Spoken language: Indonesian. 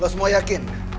lo semua yakin